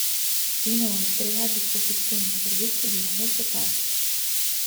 Inoltre, è a disposizione un servizio di noleggio kart.